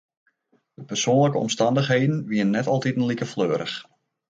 De persoanlike omstannichheden wiene net altiten like fleurich.